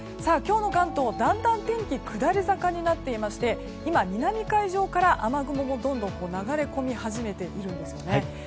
今日の関東、だんだん天気下り坂になっていまして今、南海上から雨雲がどんどん流れ込み始めているんですね。